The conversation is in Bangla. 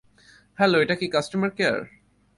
হ্যালো! এটা কি কাস্টমার কেয়ার?